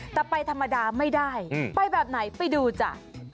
แต่ไปธรรมดาไม่ได้ไปแบบไหนไปดูจ้ะ